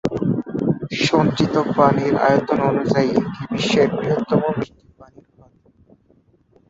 সঞ্চিত পানির আয়তন অনুযায়ী এটি বিশ্বের বৃহত্তম মিষ্টি পানির হ্রদ।